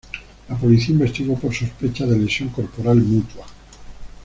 La Policía investigó por sospecha de lesión corporal mutua.